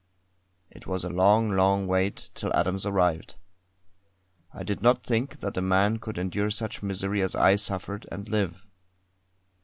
It was a long, long wait till Adams arrived. I did not think that a man could endure such misery as I suffered, and live.